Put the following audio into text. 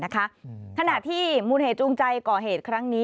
ขณะที่มูลเหตุจูงใจก่อเหตุครั้งนี้